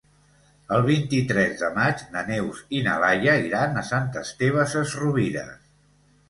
El vint-i-tres de maig na Neus i na Laia iran a Sant Esteve Sesrovires.